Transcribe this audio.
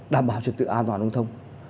đảm bảo trực tự an toàn đồng thông